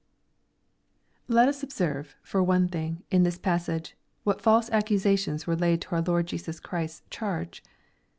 Let us observe, for one thing, in this passage, what foist accusations were laid to our Lord Jesus Christ's charge.